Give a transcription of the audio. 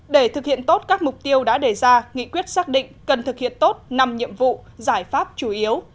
để thực hiện tốt các mục tiêu đã đề ra nghị quyết xác định cần thực hiện tốt năm nhiệm vụ giải pháp chủ yếu